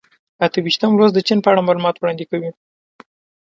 اته ویشتم لوست د چین په اړه معلومات وړاندې کوي.